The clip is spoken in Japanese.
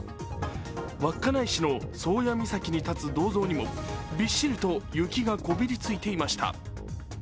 稚内市の宗谷岬に立つ銅像にもびっしりと雪がこびりついていました。